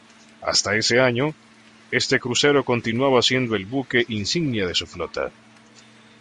Hasta ese año, este crucero continuaba siendo el buque insignia de su flota.